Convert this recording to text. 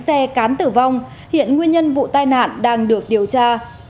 xe cán tử vong hiện nguyên nhân vụ tai nạn đang được điều tra